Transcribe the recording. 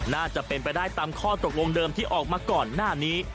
น่าจะเป็นไปได้ตามข้อตกลงเดิมที่ออกมาก่อนหน้านี้